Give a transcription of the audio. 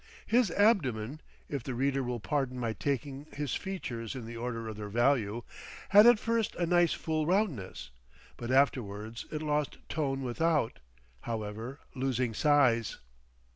His abdomen—if the reader will pardon my taking his features in the order of their value—had at first a nice full roundness, but afterwards it lost tone without, however, losing size.